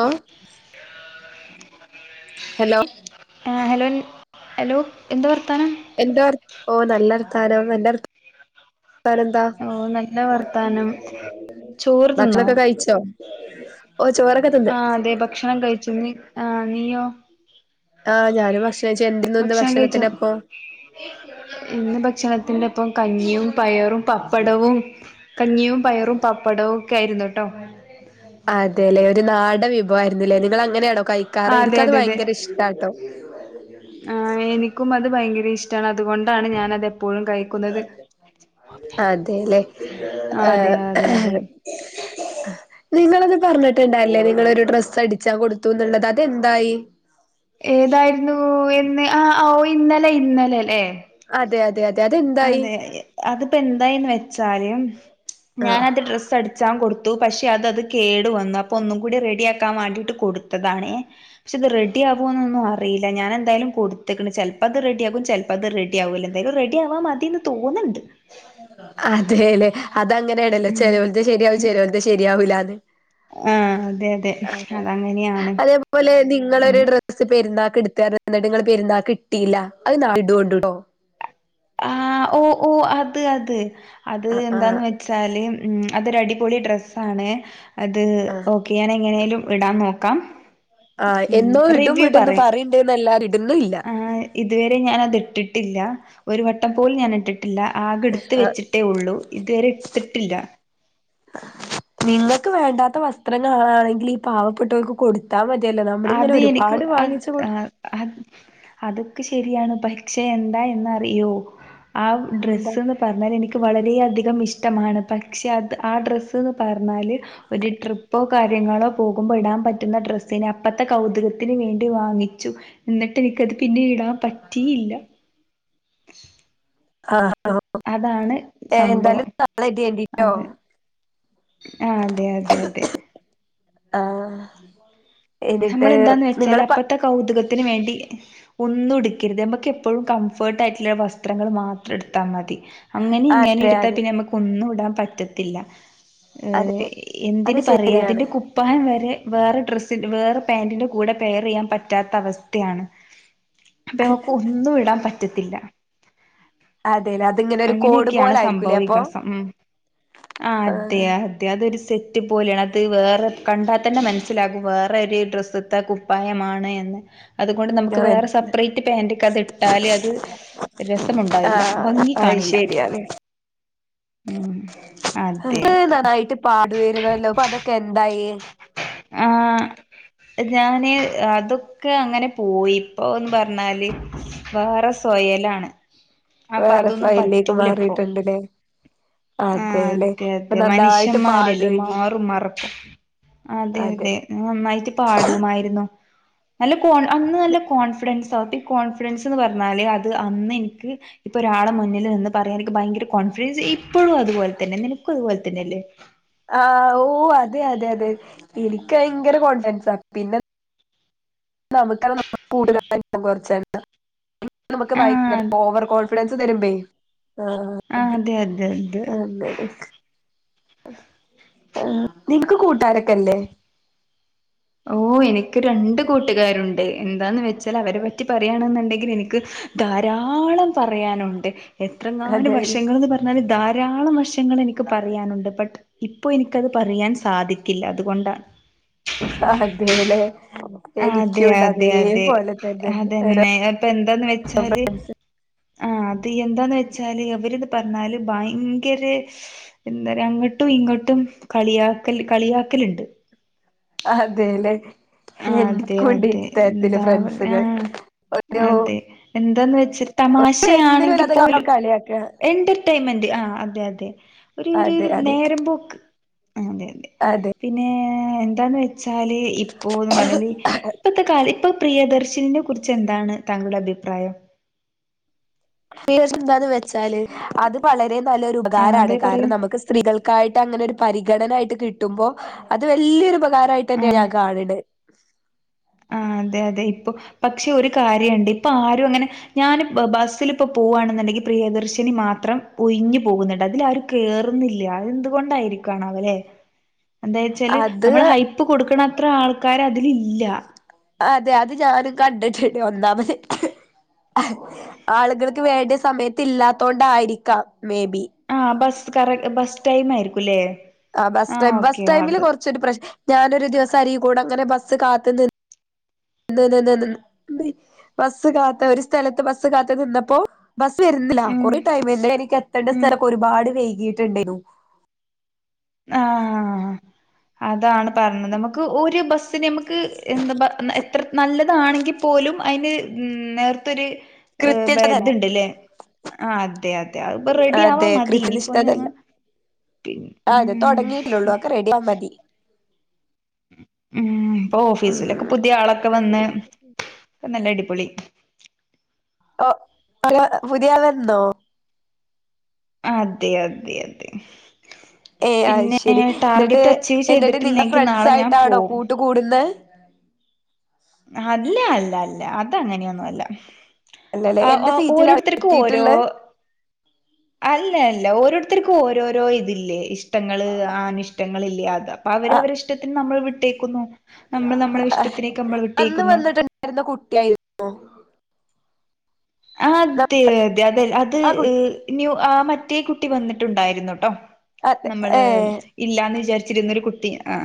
ഹ hello ആ hello hello എന്താ വർത്താനം എന്റൊർ ഓ നല്ലർഥാനോ എന്റെർഥം ഓ നല്ല വർത്താനം ചോറ് തിന്നോ ഉ [unintelligible] ആ അതെ ഭക്ഷണം കഴിച്ചതിന് ആഹ നീയോ ആഹ് ഞാനരു ഭക്ഷണം കഴിച്ചു എന്തായിരുന്നു ഇന്ന് ഭക്ഷണം കഴിച്ച ഭക്ഷണത്തിനപ്പോ ഇന്ന് ഭക്ഷണ ത്തി്റെ ഇപ്പം കഞ്ഞിയും പയറും പപ്പടവും കഞ്ഞിയും പയറും പാപ്പടവും ായിുന്ന കേട്ടോ അതെല്ലെ ഇത് നാട വിഭവമായിരുന്നില്ലേ നിങ്ങങ്ങനെയ ആ കഴിക്കാറ് അതെ എനിക്കത് അതെ അതെ ഭയങ്കര ഇഷ്ട കേട്ടോ ആ എനിക്കും അത് ഭയങ്കര ഇഷ്ട അതുകൊണ്ടാണ് ഞാനത് എപ്പോഴും കഴിക്കുന്നത് അതെല്ലേ ആ അതെ അതെ അതെ നിങ്ങളത് പറഞ്ഞിട്ടുണ്ടല്ലേ നിങ്ങളൊരു ഡ്രസ് അടിച്ചാ കൊടുത്തുന്നുള്ളത് അതെന്തായി ഏതായിരുന്നു എന്ന് ആ ഓ ഇന്നലെ ഇന്നലെ അല്ലെ. അതെ അതെ അതെ അതെന്തായി അതെ അതിപ്പോ എന്തായന്ന് വെച്ചാലും ആ ഞാനാത് ഡ്രസ് അടിച്ചം കൊടു പക്ഷെ അത് അത് കേടു വന്നപ്പോ ഒന്നും കൂടി റെഡിയ ആക്കാൻ വേണ്ടിയിട്ട് കൊടുത്തതാണേ പക്ഷേ അത് റെഡിയകൂ എന്നൊന്നും അറിയില്ല ഞാൻ എന്തായാലും ചെലപ്പോ അത് റെഡി ആകും ചെലപ്പോ അത് റെഡി ആകുല എന്തായാലും. ആവാ മതിന്ന് തോന്നണ്ട്. അതലെ. അതങ്ങനെയണല്ലോ ഉം ചെലർക്ക് ശരിയാവും ചെലർക്ക് ശരിയാകൂലാന്ന്. അ അതെ അതെ അതങ്ങനെയാണ്. നിങ്ങളൊടെ ഉം ഡ്രസ്സിൻ്റെ പെരന്ത. [inaudible] നിങ്ങ പേരെന്താ കിട്ടയില്ല അത് [inaudible] ആഹ് ഓ ഓ അത് അത്. അത് ആഹ് ആഹ് എന്താന്ന് വെച്ചാല്. ഉം അതൊരുടിപൊളി ഡ്രസ്സന്നെ. അത് ആഹ് ഓക്കെ ഞാൻ എങ്ങനെലും ഇടാം നോക്കാം ആഹ് എന്നോ ഇടും റിവ്യൂ ഇടുംന്ന് പറയാ പറയണ്ട്ന്നല്ലാതെ ഇടുന്നുല്ല ആ ഇതുവരെ ഞാനിത് ഇട്ടിട്ട്. ട്ടില്ല. ഒരു വട്ടം പോലും ഞാനിട്ടി. ടില്ല ആകെ എടുത്ത് ആഹ് വെച്ചിട്ടേ ഉള്ളൂ. ഇതുവരെ ഇട്ടിടില്ല. നിങ്ങക്ക് വേണ്ടാത്ത വസ്ത്രങ്ങളാണെങ്കി ഈ പാവപ്പെട്ടവർക്ക് കൊടുത്താ മതി. അത് എനിക്ക് അത് ശരിയാണ് പക്ഷേ എന്താ എന്നറിയോ ആ എന്താ ഡ്രസ്സ്ന്ന് പറഞ്ഞാൽ എനിക്ക് വളരെയധികം അധിക ഇഷ്ടമാണ് പക്ഷെ അത് ആ ഡ്രസ്സ്ന്ന് പറഞ്ഞാല് ഒരു ട്രിപ്പോ കാര്യങ്ങളോ പോകുമ്പോൾ ഇടാൻ പറ്റുന്ന ഡ്രസിന കൗതുകത്തിന് വേണ്ടി വാങ്ങിച്ചു എന്നിട്ട് എനിക്കത് പിന്നെ ഇടാൻ പറ്റിയില്ല. [inaudible] ആഹ അതാണ് സംഭവം നാളെ ഇടേണ്ടിട്ടോ അത് ആ അതെ അതെ അതെ ആഹ നമ്മള് എന്താന്ന് വെച്ചാല് അപ്പത്തെ കൗതുക ത്തിന് വേണ്ടി ഒന്നും എടുക്കരുത്. നമക്ക് എപ്പോഴും കംഫേർട്ട് ആയിട്ടുള്ള വസ്ത്രങ്ങൾ മാത്രം എടുത്താ മതി. അങ്ങനെ ഇങ്ങനെ അതെ എടുത്താൽ അതെ പിന്നെ നമ്മുക്ക് ഒന്നും ഇടാൻ പറ്റത്തില്ല ഏ അതെ അത് എന്തിന് പറയാ ശരിയാണ് അതിന്റെ കുപ്പായം വരെ വേറെ ഡ്രസ് വേറെ പാന്റിന്റെ കൂടെ പെയർ ചെയ്യാൻ പറ്റാത്ത അവസ്ഥയാണ് അപ്പൊ ഞമക്ക് ഒന്നും ഇടാൻ പ റ്റത്തില്ല അതെല്ലേ അതിങ്ങനെ ഒരു കോഡ് അങ്ങനെയൊക്കെയാണ് പോലെ സംഭവ ആയിരിക്കൂലേ അപ്പൊ വികാസം ഉം ആ അതെ ആഹ് അതെ അതൊരു സെ പോലെണത് വേറെ കണ്ടാൽ തന്നെ മനസ്സിലാ വേറെര് ഡ്രസ്സത്തെ കുപ്പായമാണ് എന്ന് അതുകൊണ്ട് നമുക്ക് ഞാൻ വേറെ മനസ്സിലായി സെപ്പറേറ്റ് പാന്റ്ക്കത് ഇട്ടാല് അത് രസമുണ്ടായില്ല ആഹ് ഭംഗി അത് കാണില്ല ശരിയാണ് ഉം അതെ അതെ നന്നായിട്ട് പാടുവായിരുന്നല്ലോ അപ്പൊ അതൊക്കെ എന്തായി ആ ഞാന് അതൊക്കെ അങ്ങനെ പോയിപ്പൊ എന്ന് പറഞ്ഞാല് വേറെ സ്വയലാണ് അപ്പൊ വേറെ അതൊന്നും സൊയലിലേക്ക് പറ്റൂല ഇപ്പൊ മാറിയിട്ടുണ്ടല്ലേ ആ അതെല്ലേ അതെ ഇപ്പൊ അതെ നന്നായിട്ട് മനുഷ്യമാരല്ലേ പാടുവേനി മാറും മറക്കും അതെ അതെ ഞാൻ നന്നായിട്ട് പാടുമായിരുന്നു നല്ലോം കോൺ അന്ന് നല്ല കോൺഫിഡൻസ് പ്പി കോൺഫിഡൻസ് ന്ന് പറഞ്ഞാല് അത് അന്ന് ഇൻക്ക് ഇപ്പൊ ഒരാളെ മുന്നിൽ നിന്ന് പറയാൻ എനിക്ക് ഭയങ്കര കോൺഫിഡൻസ് ഇ ഇപ്പഴും അതുപോലെന്നെ നിനക്കും അതുപോ തന്നല്ലേ ആ ഓ അതെ അതെ അതെ ഇനിക്ക് ഭയങ്കര കോൺഡൻസാ പിന്നെ നമ്ക്കാണ് കൂടുതൽ യാലും കൊറച്ച് കാണ്ക അന്ന് നമ്ക്ക് ഭയങ്കര ആഹ് ഓവർ കോൺഫിഡൻസ് ത്ത് തരുമ്പേ ആഹ് അതെ അതെ അതെ നിങ്ങ്ക്ക് കൂട്ടാരൊക്കെല്ലേ ഓ എനിക്ക് രണ്ട് കൂട്ടുകാരുണ്ട് എന്താന്ന് വെച്ചാൽ അവരെ പറ്റി പറയാണ് ന്ന്ണ്ടെങ്കിൽ എനിക്ക് ധാരാളം പറയാനുണ്ട് അതെ എത്രങ്ങാനും അതെ വർഷങ്ങള്ന്ന് പറഞ്ഞാല് ധാരാളം വർഷങ്ങൾ ഇനിക്ക് പറയാനുണ്ട് ബട്ട് ഇ ഇപ്പൊ ഇനിക്കത് പറയാൻ സാധിക്കില്ല അതുകൊണ്ടാ അതെലെ അതെ അതെ അതെ തന്നെ ഓരോ അതന്നെ അപ്പൊ എന്താന്ന് വെച്ചാല് ആ അത് എന്താന്ന് വച്ചാല് അവര്ത് പറഞ്ഞാല് ഭയങ്കര എന്താറയ അങ്ങോട്ടും ഇങ്ങോട്ടും കളിയാക്കല് കളിയാക്കല്ണ്ട് അതെലെ അതെ എനിക്കുംണ്ട് അതെ ഇത്തരത്തില് എന്താ ഫ്രണ്ട്സുകൾ ഒരൊ ഇതാന്ന് വെച്ച് തമാശയാണെങ്കി പോലും കളിയാക്ക എന്റർടൈമെന്റ് ആ അതെ അതെ ഒര് ര് അതെ അതെ നേരം പോക്ക് ആ അതെ അതെ പിന്നെ എന്താന്ന് വെച്ചാല് ഈ ഇപ്പോന്ന് പറഞ്ഞല് ഇപ്പത്തെ കാല ഇപ്പൊ പ്രിയദർശിനിനെ കുറിച്ച് എന്താണ് താങ്കളുടെ അഭിപ്രായം പ്രിയദർശിനി എന്താന്ന് വെച്ചാല് അത് വളരെ നല്ലൊരു ആഹ് ഉപകാരമാണ് അതെ പറയൂ കാരണം നമുക്ക് സ്ത്രീകൾക്കായിട്ട് അങ്ങനെ ഒരു പരിഗണന ആയിട്ട് കിട്ടുമ്പോ അത് വലിയൊരു ക്കാരായിട്ട്ന്നെയാ ആഹ് ഞാൻ കാണണ് [inaudible] ആ അതെ അതെ ഇപ്പൊ പക്ഷെ ഒരു കാര്യുണ്ട് ഇപ്പൊ ആരും അങ്ങനെ ഞാൻ ബസ്സൽ ഇപ്പ പോവവാണെന്നുണ്ടെങ്കിൽ പ്രിയദർശിനി മാത്രം ഒിഞ്ഞു പോകുന്നുണ്ട് അതിലാരും കേറുന്നില്ല അത് എന്തുകൊണ്ടായിരിക്കുണ അവലെ എന്താ വെച്ചാല് അത് നമ്മൾ ഹൈപ്പ് കൊടുക്കണത്ര ആൾ ആൾക്കാര് അതിലില്ല അതെ അത് ഞാനും കണ്ടിട്ടുണ്ട് ഒന്നാമത് ആളുകൾക്ക് വേണ്ട സമയത്ത് ഇല്ലാത്തോ കൊണ്ടായിരിക്കാം മേബി ആ ബസ്സ് കറക് ബസ് ടൈം ആയിരിക്കുംല്ലേ ആ് ബസ് ആ ടൈ ബസ് ഓക്കെ ടൈമില് അത് കുറച്ചൊരു പ്ര ഞാനൊരു ദിവസ അരി കൂട അങ്ങനെ ബസ് കാത്ത നി നി ബസ് കാത്ത ഒരു സ്ഥലത്ത് ബസ് കാത്തു നിന്നപ്പോ ബസ് വരുന്നില്ല ഉം കൊറെ ടൈം വ എനിക്ക് എത്തേണ്ട ഉം സ്ഥലക്ക ഒരുപാട് വൈകി യിട്ടുണ്ടരുന്നു ആഹ അതാണ് പറഞ്ഞത് നമുക്ക് ഒരു ബസ്സിന് നമുക്ക് എന്ത എത്ര നല്ലതാണെങ്കിൽ പോലും അതിന് ഉ നേർത്തൊരു കൃത്യനിഷ്ഠതല്ല ഇതുണ്ടല്ലേ ആ അതെ അതെ ഇപ്പൊ റെഡി ആവാ മതി ഇനിപ്പോ ഞങ്ങ പിന്നെ അതെ ഉം തുടങ്ങിട്ടിലുള്ളവാക്ക റെഡിയ ആ മതി ഉം ഇപ്പൊ ഓഫീസിലൊക്കെ പുതിയ ആളൊക്കെ വന്ന് നല്ല അടിപൊളി പുതിയാൾ വന്നോ അതെ അതെ അതെ ഏ അ പിന്നെ ശരി എന്നിട്ട് ടാർഗറ്റ് അച്ചീവ് എന്നിട്ട് നിങ്ങ ചെയ്തിട്ടില്ലെങ്കിൽ ഫ്രണ്ട്സ നാളെ ഞാൻ ആയിട്ടാണോ പോവും കൂട്ടു കൂടുന്ന്നേ അല്ല അല്ല അല്ല അത അങ്ങനെയൊന്നും അല്ല അല്ലല്ലേ ആ എന്റെ സീറ്റിലാ ഓരോരുത്തർക്കും ഓരോ എത്തിയിട്ടുള്ളെ അല്ല അല്ല ഓരോരുത്തർക്കും ഓരോരോ ഇതില്ലേ ഇഷ്ടങ്ങള് അനി ഇഷ്ടങ്ങല്ലേ അത് അപ്പൊ അവര ആഹ് അവരിഷ്ടത്തിന് നമ്മൾ വിട്ട ട്ടെക്കുന്നു അന്ന് വന്നിട്ടുണ്ടായിരുന്ന കുട്ടിയായിരുന്നോ അ അതെ അതെ അത് ആ കു ഇനി ആ മറ്റേ കുട്ട കൂട്ടി വന്നിട്ടുണ്ടായിരുന്നു കേട്ടോ അതെ നമ്മള് ഏഹ് ഇല്ലാന്ന് വിചാരി ച്ചിരുന്നൊരു കുട്ടി ആ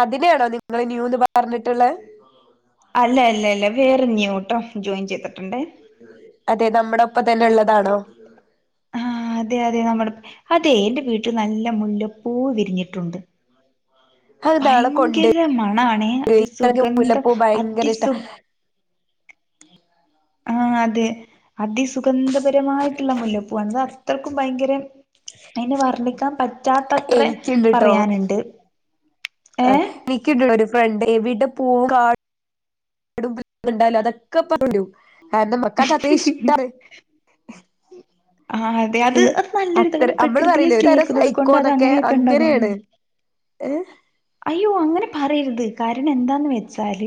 അതിനെയാണോ നിങ്ങ ന്യൂന്ന് പറഞ്ഞിട്ടുള്ളെ അല്ല അല്ല അല്ല വേറൊരു ന്യൂട്ടോ ജോയിൻ ചെയ്തിട്ടുണ്ടേ അതെ നമ്മടം ക്ക തന്നെള്ളതാണോ ആ അതെ അതെ നമ്മുടെ അതെ എന്റെ വീട്ടി നല്ല മുല്ലപ്പൂ വിരിഞ്ഞിട്ടുണ്ട് അത് നാളെ ഭയങ്കര കൊണ്ടുവരോ മണാണേ അതി എനിക്ക് സുഗന്ധം മുല്ലപ്പൂ ഭയങ്കര അതി ഇഷ്ടാ സുഗ് ആ അതെ അതിസുഗന്ധപരമായിട്ടുള്ള മുല്ലപ്പൂവാണത് അത്രക്കും ഭയങ്കര തിന് വർണ്ണിക്കാൻ പറ്റാത്തത്ര പറയാനിണ്ട് അ നിക്കണ്ടോരു ഫ്രണ്ട്. എവിടെ പൂ കാ ണ്ടാലതൊക്കെ പ ആ എന്റെ മക്കാ അത് ഇഷ്ടാ. ആ അതെ അത് അത് നല്ലൊരുതാ അത്ര അങ്ങനെ നമ്മള് പ്രകൃതിയെ പറയില്ലേ ഒരു തരം സ്നേഹിക്കുന്നത് കൊണ്ട് അത് സൈക്കോന്നൊക്കെ അങ്ങനെയൊക്കൊണ്ടാകും. അങ്ങനെയാണ് ഏഹ് അയ്യോ അങ്ങനെ പറയരുത് കാരണം എന്താന്ന് വെച്ചാല്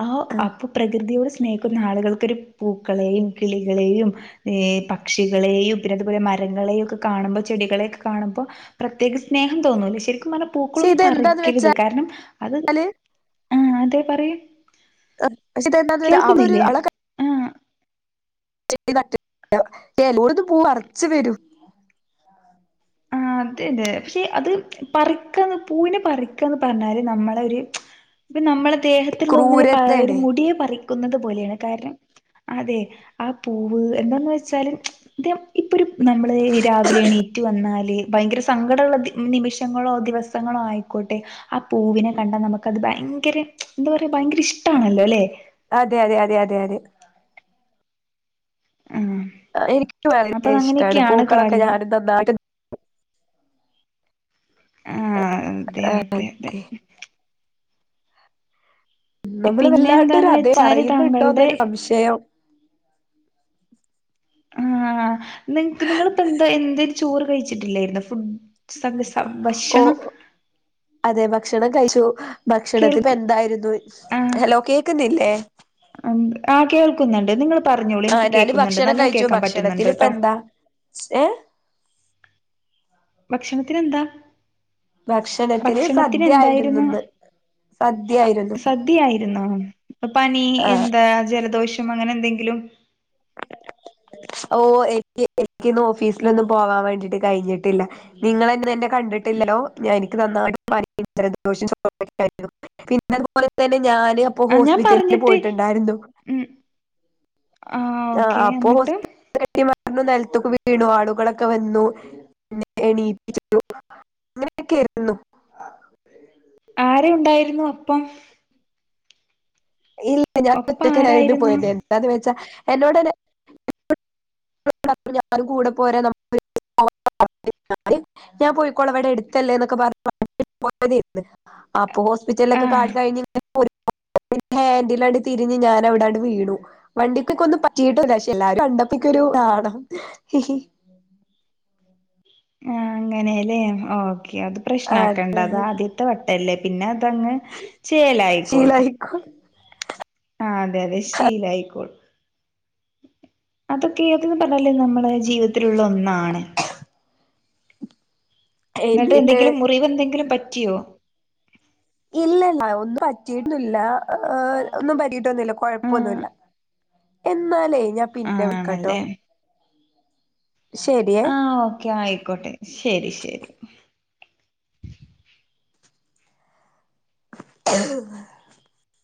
ആഹോ ആഹ് ആപ്പ പ്രകൃതിയോട് സ് സ്നേഹിക്കുന്നാളുകൾക്കൊരു പൂക്കളേയും കിളികളേയും എ പക്ഷികളേയും തിരുവനന്തപുരം മരങ്ങളേയും ഒക്കെ കാണുമ്പ ചെടികളക്കെ കാണുമ്പ പ്രത്യകം സ്നേഹം തോന്നും ശരി മന പക്ഷെ പൂക്കളെന്നെ പറി ഇതെന്താന്ന് കിരുത് കാരണം അത് വെച്ചാല് ആ അതെ പറയൂ പക്ഷെ ഇത് എന്താന്ത് അവളൊരു കേൾക്കുന്നില്ലേ അവളെ ക ആ [unintelligible] ഏല്ലോട്ത്ത് പൂവറച്ചു വരും ആ അതെലേ പക്ഷെ അത് പറിക്കന്ന് പൂവിനെ പറിക്കന്ന് പറഞ്ഞാല് നമ്മളെ ഒരു പ്പ നമ്മളെ ദേഹത്തുള്ള ഒന്നിനെ പരു ഒരു ക്രൂരതയാണ് മുടിയെ പറി ക്കുന്നപോലെയാണ് കാരണം അതെ ആ പൂവ് എന്താന്ന് വെച്ചാലെ ഇപ്പൊരു നമ്മളേ ഈ രാവിലെ എണീറ്റ് ലേ ഭയങ്കര സങ്കടമള്ള നിമിഷങ്ങളോ ദിവസങ്ങളോ ആയിക്കോട്ടെ ആ ആ പൂവിനെ കണ്ടാൽ നമുക്കത് ഭയ് ഭയങ്കര എന്താ പറയുക ഭയങ്കര ഇഷ്ട്ടാണല്ലോ അല്ലേ അതെ അതെ അതെ അതെ അതെ ആഹ് ആഹ് എനിക്ക് അപ്പൊ വളരെ ഇഷ്ട്ടാണ് അങ്ങനെയൊക്കെയാണ് പൂക്കളൊക്കെ കാര്യങ്ങൾ ഞാനും നന്നായിട്ട് ആഹ് അതെ അതെ അതെ നമ്മൾ പിന്നെ എന്താന്ന് വല്ലാണ്ടൊരതേ വെച്ചാല് താങ്കളുടെ പറയുന്നുണ്ടോന്നൊരു സംശയം ആഹ് നിങ്ങക്ക് നിങ്ങള് ഇപ്പോ എന്താ എന്തിര് ചോറ് കഴിച്ച കഴിച്ചിട്ടില്ലായിരുന്നു ഫുഡ് സം സം ഓ ഭക്ഷണം അതെ ഭക്ഷണം കഴിച്ചു ഭക്ഷണത്തിപ്പം കേൾക്കു എന്തായിരുന്നു ഹലോ കേക്കുന്നില്ലെ എ അം കേൾക്കുന്നുണ്ട് നിങ്ങള് ആ ഞാന് ഭക്ഷണം കഴിച്ചു പറ്റുന്നുണ്ട് ഭക്ഷണത്തിന് ഇപ്പ ട്ടോ എന്താ ഏ ഭക്ഷണത്തിനെന്താ ഭക്ഷണത്തിന് സദ്യായിരുന്നുന്ന് സദ്യയായിരുന്നു രുന്നോ പനി എന്താ ജലദോഷം അങ്ങനെ എന്തെങ്കിലും ഓ എനിക്ക് എനിക്കിന്ന് ഓഫീസിലൊന്നും പോവാൻ വേണ്ടിട്ട് കഴിഞ്ഞിട്ടില്ല നിങ്ങളെങ്ങനെ എന്റെ കണ്ടിട്ടില്ലല്ലോ ഞാന് എനിക്ക് നന്നായിട്ട് പനിയും ജലദോഷം ചുമയും ആയിരുന്നു പിന്നെതുപോലെ തന്നെ ഞാൻ അപ്പോ ആഹ് ഞാൻ ഹോസ്പിറ്റലില് പറഞ്ഞിട്ട് പോയിട്ടുണ്ടായിരുന്നു ഉം ആഹ് ആ ഓക്കെ അപ്പൊ എന്നിട്ട് ഹോസ്പിറ്റ [unintelligible] നെൽതുക്ക് വീണു ആളുകളൊക്കെ വന്നു പിന്നെ എണീപ്പിച്ചു അങ്ങനെയൊക്കൊയിരുന്നു ആരരെ ഉണ്ടായിരുന്നു ഒപ്പം ഇല്ല ഞാൻ ഒപ്പം ഒറ്റക്കനായിരുന്നു ആരായിരുന്നു പോയത് എന്താന്ന് വെച്ചാ എന്നോടനെ പ് [unintelligible] ഞാനും കൂടെ പോരാ നമുക്കൊരുമിച്ച് പോവാ പറഞ്ഞു ഞാന് ഞാൻ പോയിക്കോളാ വടെ എടുത്തല്ലേ എന്നൊക്കെ പറഞ്ഞ് പോയതേയ്ര്ന്ന് അ അപ്പോ ഹോസ്പിറ്റലിലൊക്കെ ആഹ് കാട്ടി കഴിഞ്ഞ് ങ്ങനെ പോരുമ്പോ ഹാൻഡിലാണ്ട് തിര്ഞ്ഞ് ഞാനാവിടാണ്ട് വീണു. വണ്ടിക്കൊക്ക ഒന്നും പറ്റിയിട്ട്ല്ല. പക്ഷേ എല്ലാരും കണ്ടപ്പോ ഇ ൻക്കൊരു നാണം. ആ അങ്ങനേ ല്ലേ ഓ അത് പ്രശ്നാക്കേണ്ട അതെ അത് ആദ്യത്തെ വ അല്ലേ പിന്നെ തങ്ങ് ചേലായിക്കോളും. ശീലായിക്കോ ആ അതെ അതെ ശീലാ യിക്കോളും അതൊക്കെ നമ്മുടെ ജീവിതത്തിലുള്ള ഒന്നാണ്. ഇന്നട്ട് എന്നിട്ട് എന്തെങ്കിലും മുറിവ് എന്തെങ്കിലും പറ്റി റ്റിയോ? ഇല്ലല്ല ഒന്നും പറ്റിയിട്ടുല്ല ഒന്നും പറ്റി യിട്ടൊന്നുല്ല. ആഹ് കൊയപ്പന്നുല്ല. എന്നാലേ ഞാൻ പിന്നെ, വിളിക്കാട്ടോ ശരിയേ ആ.. ഓക്കെയായി ആയിക്കോട്ടെ, ശരി ശരി [inaudible]